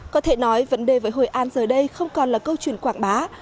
có thể nói vấn đề với hội an giờ đây không còn là câu chuyện quảng bá